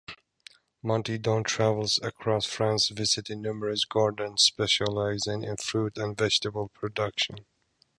Monty Don travels across France visiting numerous gardens specialising in fruit and vegetable production.